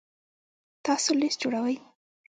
تاسو لیست جوړوئ؟